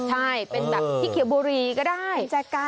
ใช่เป็นแบบที่เขียบบุรีก็ได้